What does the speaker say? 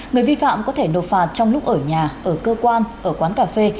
người vi phạm có thể nộp phạt trong lúc ở nhà ở cơ quan ở quán cà phê